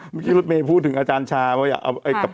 เมื่อกี้รถเมย์พูดถึงอาจารย์ชาว่าอยากเอา